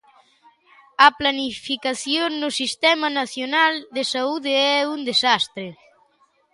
A planificación no Sistema nacional de saúde é un desastre.